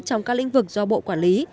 trong các lĩnh vực do bộ quản lý